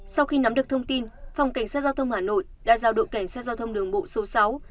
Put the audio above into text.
sau khi nắm được thông tin phòng cảnh sát giao thông hà nội đã giao đội cảnh sát giao thông đường bộ số sáu